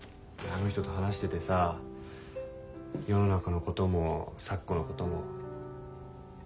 あの人と話しててさ世の中のことも咲子のことも。